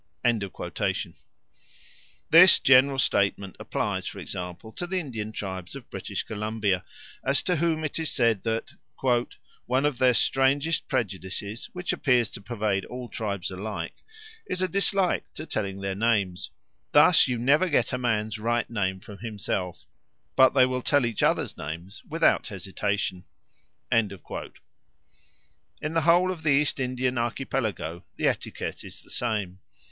This general statement applies, for example, to the Indian tribes of British Columbia, as to whom it is said that "one of their strangest prejudices, which appears to pervade all tribes alike, is a dislike to telling their names thus you never get a man's right name from himself; but they will tell each other's names without hesitation." In the whole of the East Indian Archipelago the etiquette is the same.